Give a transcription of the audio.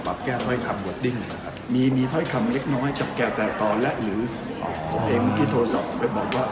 ผมแม่งเมื่อกี้โทรศัพท์ไปบอกว่า